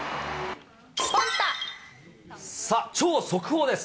さあ、超速報です。